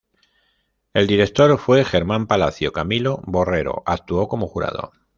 El director fue Germán Palacio; Camilo Borrero, actuó como jurado.